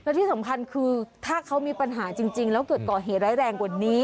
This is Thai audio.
และที่สำคัญคือถ้าเขามีปัญหาจริงแล้วเกิดก่อเหตุร้ายแรงกว่านี้